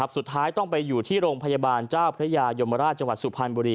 สุดท้ายต้องไปอยู่ที่โรงพยาบาลเจ้าพระยายมราชจังหวัดสุพรรณบุรี